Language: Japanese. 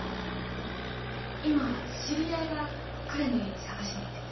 あ今知り合いが彼の家に探しに行ってて。